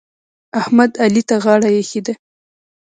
احمد؛ علي ته غاړه ايښې ده.